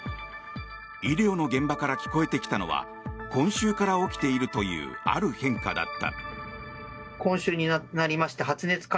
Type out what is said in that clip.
医療の現場から聞こえてきたのは今週から起きているというある変化だった。